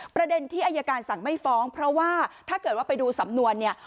ประเด็นที่อายการสั่งไม่ฟ้องเพราะว่าถ้าเกิดว่าไปดูสำนวนเนี่ย